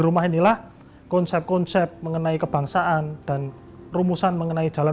rumah inilah konsep konsep mengenai kebangsaan dan rumusan mengenai jalan